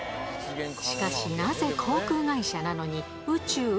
しかし、なぜ航空会社なのに宇宙？